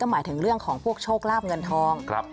หมายถึงเรื่องของพวกโชคลาบเงินทอง